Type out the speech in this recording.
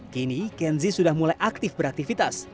kini kenzi sudah mulai aktif beraktivitas